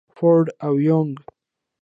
فروډ او يونګ.